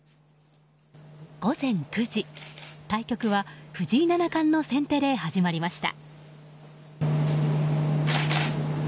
午前９時、対局は藤井七冠の先手で始まりました。